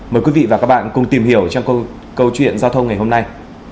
mời quý vị và các bạn cùng tìm hiểu trong câu chuyện giao thông ngày hôm nay